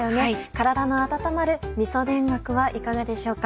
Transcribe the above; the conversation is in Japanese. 体の温まるみそ田楽はいかがでしょうか。